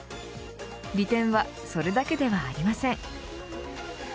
利点はそれだけではありません。